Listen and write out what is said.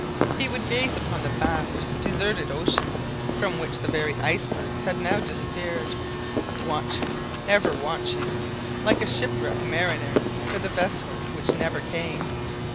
He would gaze upon the vast deserted ocean, from which the very icebergs had now disappeared, watching, ever watching, like a shipwrecked mariner, for the vessel which never came.